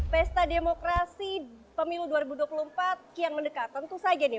pesta demokrasi pemilu dua ribu dua puluh empat yang mendekatkan itu saja nih